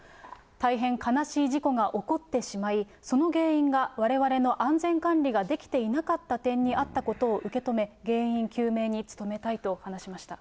大変悲しい事故が起こってしまい、その原因がわれわれの安全管理ができていなかった点にあったことを受け止め、原因究明に努めたいと話しました。